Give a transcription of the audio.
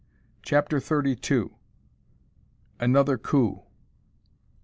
CHAPTER THIRTY TWO. ANOTHER "COUP."